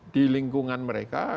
di lingkungan mereka